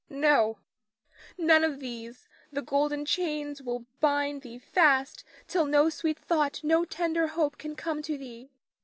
No, none of these, the golden chains will bind thee fast till no sweet thought, no tender hope can come to thee.